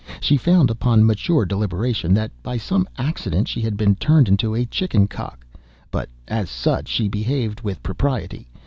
She found, upon mature deliberation, that, by some accident, she had been turned into a chicken cock; but, as such, she behaved with propriety.